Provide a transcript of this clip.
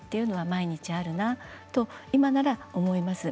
毎日あるなと今なら思います。